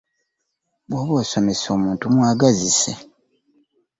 Bw'oba osomesa omuntu mwagazise.